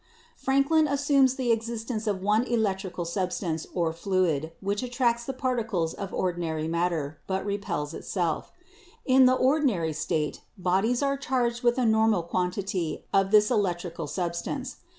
Franklin assumes the existence of one electric substance or fluid which attracts the particles of ordinary matter, but repels itself. In the ordinary state, bodies are charged with a normal quantity of this electrical substance.